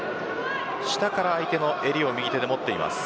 下から相手の襟を右手で持っています。